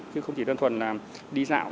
chứ không chỉ đơn thuần là đi dạo